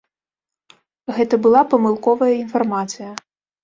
Гэта была памылковая інфармацыя.